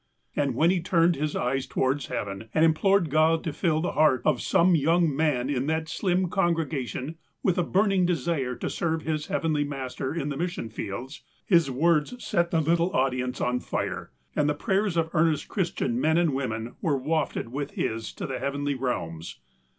And when he turned his eyes towards heaven, and im plored God to fill the heart of some young man in that slim congregation with a burning desire to serve his Heavenl}^ Master in the mission fields, his words set the little audience on fire, and the prayers of earnest Chris tian men and women were wafted with his to the heav enly realms.